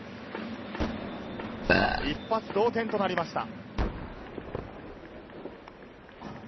一発同点となりました。